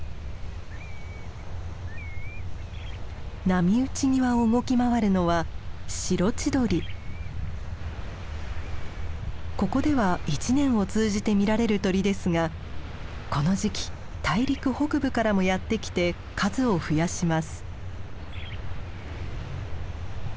波打ち際を動き回るのはここでは一年を通じて見られる鳥ですがこの時期大陸北部からもやって来て数を増やします。